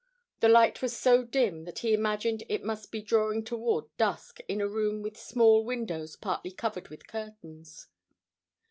The light was so dim that he imagined it must be drawing toward dusk in a room with small windows partly covered with curtains.